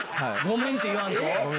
「ごめん」って言わんと？